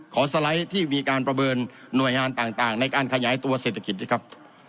สไลด์ที่มีการประเมินหน่วยงานต่างในการขยายตัวเศรษฐกิจด้วยครับ